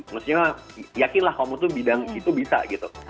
maksudnya yakinlah kamu tuh bidang itu bisa gitu